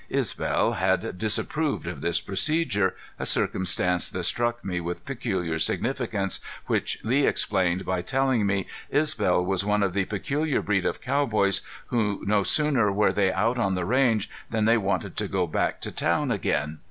Isbel had disapproved of this procedure, a circumstance that struck me with peculiar significance, which Lee explained by telling me Isbel was one of the peculiar breed of cowboys, who no sooner were they out on the range than they wanted to go back to town again.